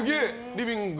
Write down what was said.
リビング？